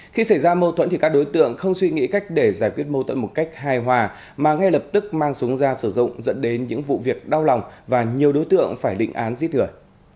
khi xảy ra mâu thuẫn thì các đối tượng không suy nghĩ cách để giải quyết mâu thuẫn một cách hài hòa mà ngay lập tức mang súng ra sử dụng dẫn đến những vụ việc đau lòng và nhiều đối tượng phải định án giết người